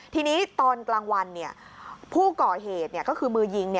ทีนี้ตอนกลางวันผู้ก่อเหตุก็คือมือยิง